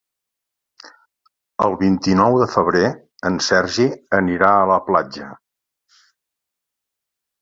El vint-i-nou de febrer en Sergi anirà a la platja.